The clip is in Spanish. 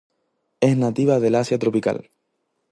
Es nativa del Asia tropical.